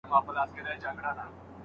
د تېرې پېړۍ فيلسوفانو څه ويل؟